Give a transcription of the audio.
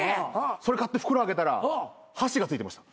それ買って袋開けたら箸が付いてました。